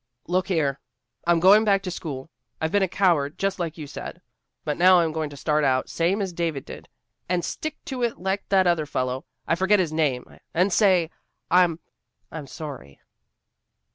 "Look here! I'm going back to school. I've been a coward, just like you said, but now I'm going to start out same as David did, and stick to it like that other fellow I forget his name and say! I'm I'm sorry."